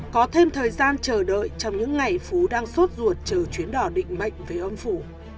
có thêm thời gian chờ đợi trong những ngày phú đang suốt ruột chờ chuyến đò định mệnh về ông phủ